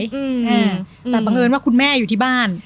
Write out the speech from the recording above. อืมอ่าแต่บังเอิญว่าคุณแม่อยู่ที่บ้าน